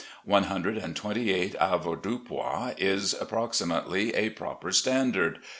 One hundred and twenty eight avoirdupois is approximately a proper standard.